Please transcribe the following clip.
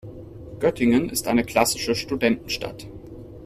Göttingen ist eine klassische Studentenstadt.